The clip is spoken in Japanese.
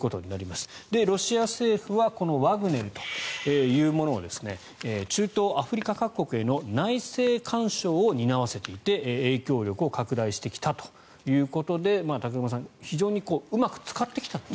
ロシア政府はこのワグネルというものを中東、アフリカ各国への内政干渉を担わせていて影響力を拡大してきたということで武隈さん、非常にうまく使ってきたという。